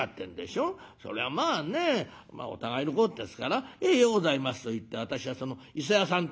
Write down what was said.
そりゃまあねお互いのことですから『ええようございます』と言って私はその伊勢屋さん